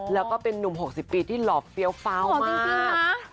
แล้วก็เป็นนุ่ม๖๐ปีที่หล่อเฟี้ยวฟ้าวมาก